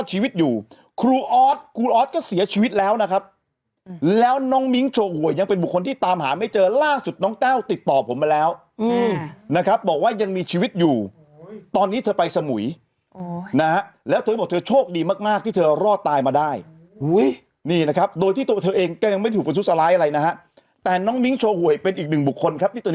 ชีวิตอยู่ครูออสครูออสก็เสียชีวิตแล้วนะครับแล้วน้องมิ้งโชว์หวยยังเป็นบุคคลที่ตามหาไม่เจอล่าสุดน้องแต้วติดต่อผมมาแล้วนะครับบอกว่ายังมีชีวิตอยู่ตอนนี้เธอไปสมุยนะฮะแล้วเธอบอกเธอโชคดีมากมากที่เธอรอดตายมาได้นี่นะครับโดยที่ตัวเธอเองก็ยังไม่ถูกประทุษร้ายอะไรนะฮะแต่น้องมิ้งโชว์หวยเป็นอีกหนึ่งบุคคลครับที่ต